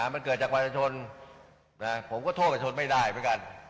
มันเกิดจากวัฒนชนผมก็โทษวัฒนชนไม่ได้เหมือนกัน